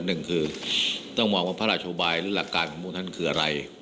หนึ่งคือต้องมองว่าพระราชบายหรือหลักการของพวกท่านคืออะไร